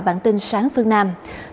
bản tin sáng phương nam